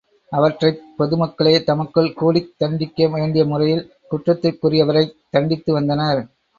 அவற்றைப் பொதுமக்களே தமக்குள் கூடித் தண்டிக்க வேண்டிய முறையில் குற்றத்திற்குரியவரைத் தண்டித்து வந்தனர்.